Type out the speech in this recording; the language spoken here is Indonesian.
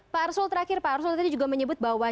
pak arsul terakhir pak arsul tadi juga menyebut bahwa